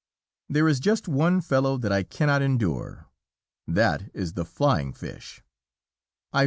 There is just one fellow that I cannot endure. That is the flying fish.